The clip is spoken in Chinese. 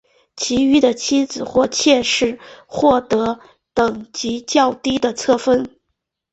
其余的妻子或妾室获得等级较低的册封。